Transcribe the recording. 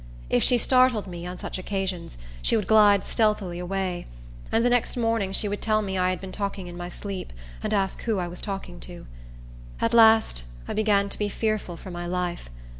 If she startled me, on such occasions, she would glide stealthily away; and the next morning she would tell me I had been talking in my sleep, and ask who I was talking to. At last, I began to be fearful for my life.